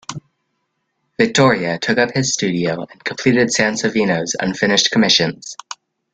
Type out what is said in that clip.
Vittoria took up his studio and completed Sansovino's unfinished commissions.